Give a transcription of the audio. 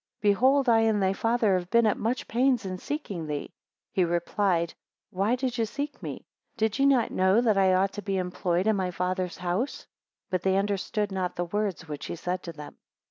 Behold I and thy father have been at much pains in seeking thee. 24 He replied, Why did ye seek me? Did ye not know that I ought to be employed in my father's house? 25 But they understood not the words which he said to them.